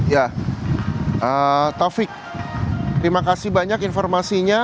ya taufik terima kasih banyak informasinya